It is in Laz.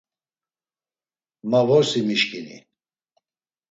Ma vorsi mişkini.